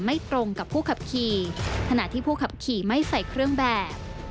ตรงกับผู้ขับขี่ขณะที่ผู้ขับขี่ไม่ใส่เครื่องแบบ